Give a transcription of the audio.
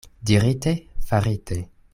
Dirite, farite.